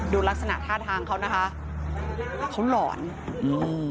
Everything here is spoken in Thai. ลักษณะท่าทางเขานะคะเขาหลอนอืม